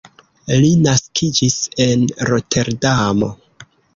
Li naskiĝis en Roterdamo.